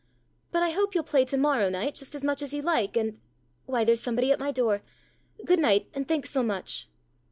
" But I hope you'll play to morrow night just as much as you like, and why, there's somebody at my door. Good night, and thanks so much."